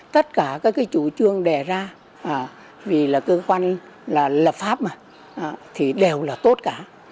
tất cả các chủ trương đề ra vì là cơ quan lập pháp thì đều là tốt cả